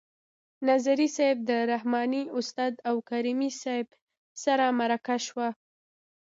نظري صیب د رحماني استاد او کریمي صیب سره مرکه شو.